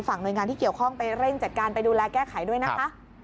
หน่วยงานที่เกี่ยวข้องไปเร่งจัดการไปดูแลแก้ไขด้วยนะคะ